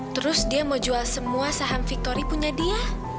terus dia mau jual semua saham victory punya dia